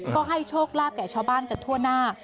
ก็ให้โชคลาภแก่ชาวบ้านกันทั่วหน้า